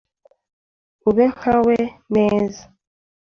ube nka we neza